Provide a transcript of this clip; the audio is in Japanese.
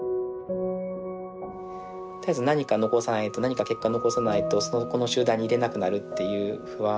絶えず何か残さないと何か結果を残さないとこの集団にいれなくなるっていう不安。